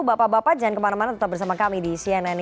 bapak bapak jangan kemana mana tetap bersama kami di cnn indonesia